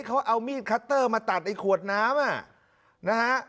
เขาเอามีดคัตเตอร์มาตัดไอ้ขวดน้ำอ่ะนะฮะ